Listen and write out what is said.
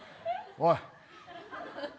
おい。